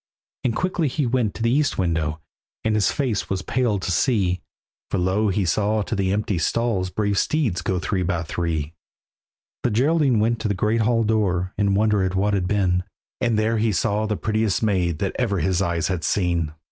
And quickly he went to the east window, And his face was pale to see, For lo! he saw to the empty stalls Brave steeds go three by three. The Geraldine went to the great hall door, In wonder at what had been, And there he saw the prettiest maid That ever his eyes had seen.